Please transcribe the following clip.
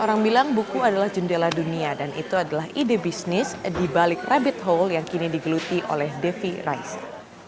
orang bilang buku adalah jendela dunia dan itu adalah ide bisnis di balik rabbit hole yang kini digeluti oleh devi raisa